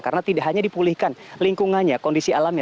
karena tidak hanya dipulihkan lingkungannya kondisi alamnya